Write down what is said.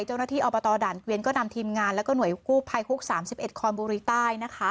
เจ้าหน้าที่อบตด่านเวียนก็นำทีมงานและหน่วยคู่ภายคุก๓๑คลมบุรีใต้